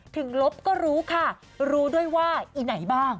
ถึงลบก็รู้ค่ะรู้ด้วยว่าอีไหนบ้าง